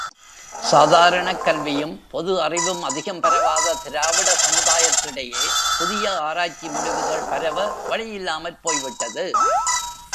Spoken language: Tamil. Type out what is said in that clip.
சாதாரணக் கல்வியும் பொது அறிவும் அதிகம் பரவாத திராவிட சமுதாயத்திடையே, புதிய ஆராய்ச்சி முடிவுகள் பரவ வழி இல்லாமற்போய்விட்டது.